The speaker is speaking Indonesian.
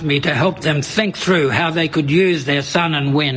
cara menggunakan matahari dan angin